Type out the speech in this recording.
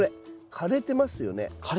枯れてますね。